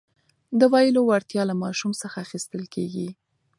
د ویلو وړتیا له ماشوم څخه اخیستل کېږي.